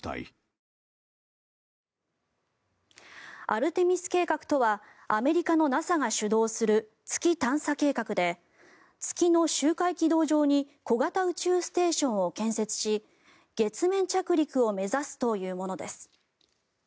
アルテミス計画とはアメリカのＮＡＳＡが主導する月探査計画で月の周回軌道上に小型宇宙ステーションを建設し月面着陸を目指すというものです。